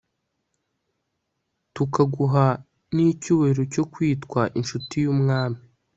tukaguha n'icyubahiro cyo kwitwa incuti y'umwami